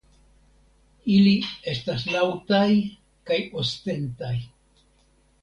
Ili estas laŭtaj kaj ostentaj.